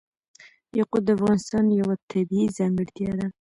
یاقوت د افغانستان یوه طبیعي ځانګړتیا ده.